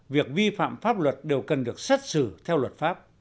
việc vi phạm pháp luật đều cần được xét xử theo luật pháp